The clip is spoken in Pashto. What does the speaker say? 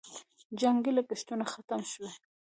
د جنګ لګښتونه ختم شوي؟